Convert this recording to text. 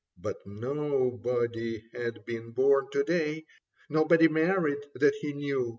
But nobody had been born to day. Nobody married that he knew.